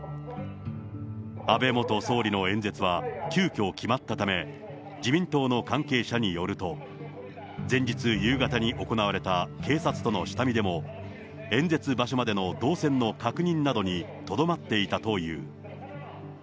安倍元総理の演説は急きょ決まったため、自民党の関係者によると、前日夕方に行われた警察との下見でも演説場所までの動線の確認などにとどまっていたという。